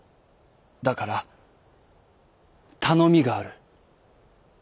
だからたのみがある。